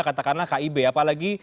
katakanlah kib apalagi